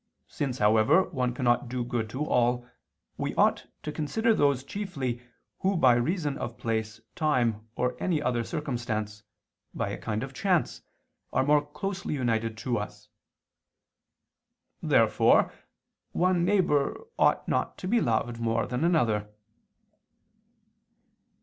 Since, however, one cannot do good to all, we ought to consider those chiefly who by reason of place, time or any other circumstance, by a kind of chance, are more closely united to us." Therefore one neighbor ought not to be loved more than another.